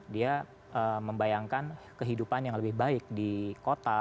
dia membayangkan kehidupan yang lebih baik di kota